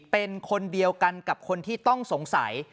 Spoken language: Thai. เป็นคนเดียวกันกับคนที่ต้องสงสัย